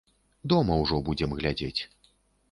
Дома ўжо будзем глядзець.